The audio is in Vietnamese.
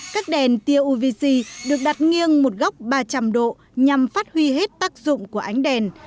các đèn tia uvc được đặt nghiêng một góc ba trăm linh độ nhằm phát huy hết tác dụng của ánh đèn